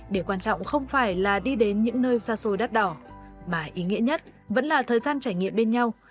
điều quan trọng không phải là đi đến những nơi xa xôi đắt đỏ mà ý nghĩa nhất vẫn là thời gian trải nghiệm bên nhau